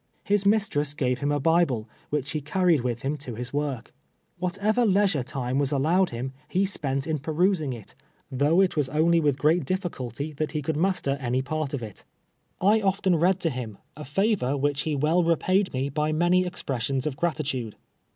His mistress gave him a Bible, which lie carried with him to his work. "Whatever leisure time was allowed him, he spent in perusing it, though it was only with great difficulty that he could master 98 TWKLVH yi:ai:s a slave. any part of it. I oiU'U rcail tit liiiu, a fa\<>r wliiclilic well ropuid nie by many expressions of gratitude.